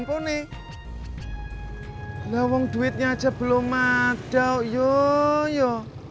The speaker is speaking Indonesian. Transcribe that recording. kalau duitnya belum ada ya ya